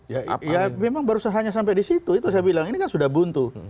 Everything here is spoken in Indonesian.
ya memang baru saja sampai di situ itu saya bilang ini kan sudah buntu